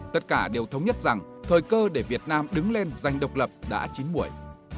tất cả đều thống nhất rằng thời cơ để việt nam đứng lên danh độc lập đã chín mũi